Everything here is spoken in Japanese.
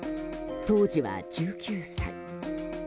当時は１９歳。